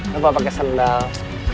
lupa pake sandal